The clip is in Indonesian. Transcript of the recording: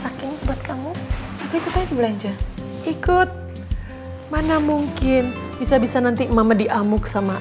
saking buat kamu tapi kita belanja ikut mana mungkin bisa bisa nanti mama diamuk sama